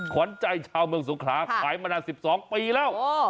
ขวัญใจชาวเมืองสงขลาขายมานาน๑๒ปีแล้ว